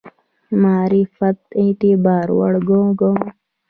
معرفت اعتبار وړ وګڼو.